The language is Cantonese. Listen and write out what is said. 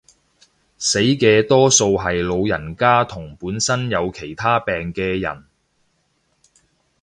死嘅多數係老人家同本身有其他病嘅人